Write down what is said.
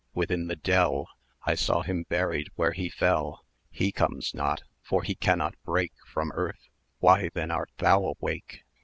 within the dell I saw him buried where he fell; He comes not for he cannot break From earth; why then art thou awake?